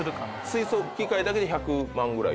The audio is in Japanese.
水素機械だけで１００万ぐらい。